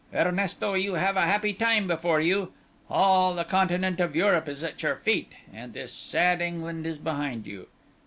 "Ernesto, you have a happy time before you. All the continent of Europe is at your feet, and this sad England is behind you.